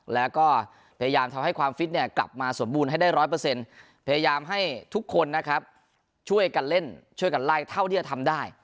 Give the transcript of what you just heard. แล้วก็พยายามทำให้ความฟิตเนี่ยกลับมาสมบูรณ์ให้ได้๑๐๐พยายามให้ทุกคนนะครับช่วยกันเล่นช่วยกันไล่เท่าที่จะทำได้